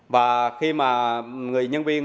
và khi mà người nhân viên